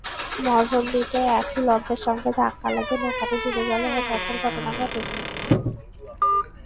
মাঝনদীতে একই লঞ্চের সঙ্গে ধাক্কা লেগে নৌকাটি ডুবে গেলে হতাহতের ঘটনা ঘটে।